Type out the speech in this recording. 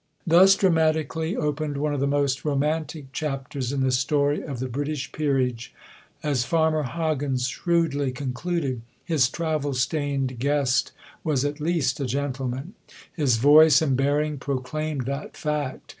Thus dramatically opened one of the most romantic chapters in the story of the British Peerage. As Farmer Hoggins shrewdly concluded, his travel stained guest was at least a gentleman. His voice and bearing proclaimed that fact.